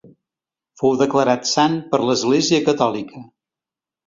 Fou declarat sant per l'església catòlica.